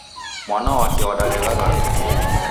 Mwana wake wadalegha w'andu